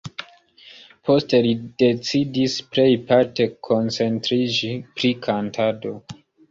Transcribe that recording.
Poste li decidis plejparte koncentriĝi pri kantado.